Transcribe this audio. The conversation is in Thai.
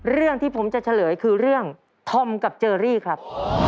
เรื่องที่ผมจะเฉลยคือเรื่องธอมกับเจอรี่ครับ